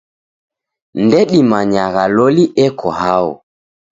Ndedimanyagha loli eko hao.